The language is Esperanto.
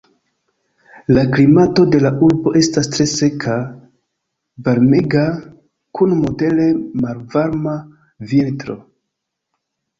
La klimato de la urbo estas tre seka, varmega, kun modere malvarma vintro.